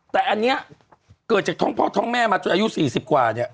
แต่อันนี้เกิดจากคล่องพ่อคล์ของแม่มาจนอายุสี่สิบกว่านี้